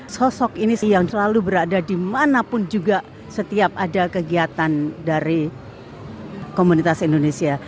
sosok ini yang selalu berada dimanapun juga setiap ada kegiatan dari komunitas indonesia